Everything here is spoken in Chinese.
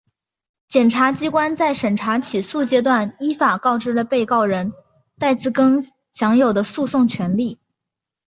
检察机关在审查起诉阶段依法告知了被告人戴自更享有的诉讼权利